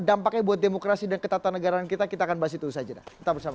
dampaknya buat demokrasi dan ketatanegaraan kita kita akan bahas itu saja